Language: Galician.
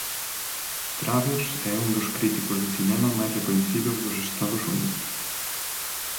Travers é un dos críticos de cinema máis recoñecidos dos Estados Unidos.